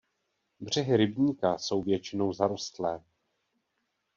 Břehy rybníka jsou většinou zarostlé.